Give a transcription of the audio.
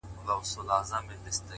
پيشي هم د کېس مېرمن سوه.